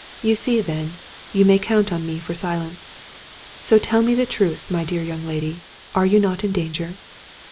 You see, then, you may count on me for silence. So tell me the truth, my dear young lady, are you not in danger?